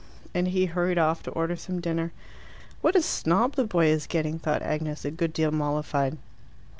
And he hurried off to order some dinner. "What a snob the boy is getting!" thought Agnes, a good deal mollified.